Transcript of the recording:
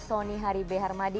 satuaby telinganya lagi